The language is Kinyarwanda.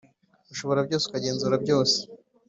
ushobora byose, ukagenzura byose,